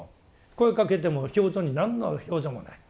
声かけても表情に何の表情もない。